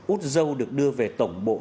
úc râu được đưa về tổng bộ